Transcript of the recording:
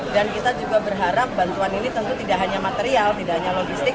dan kita juga berharap bantuan ini tentu tidak hanya material tidak hanya logistik